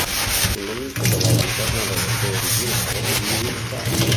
Fu il nemico della Lanterna Verde originale e di Wildcat.